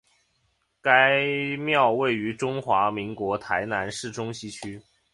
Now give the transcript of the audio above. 该庙位于中华民国台南市中西区。